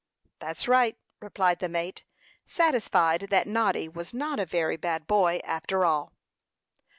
"That's right," replied the mate, satisfied that Noddy was not a very bad boy, after all.